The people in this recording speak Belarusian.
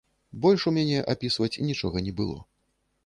Больш у мяне апісваць нічога не было.